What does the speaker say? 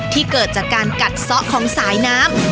เกิดจากการกัดซ้อของสายน้ำ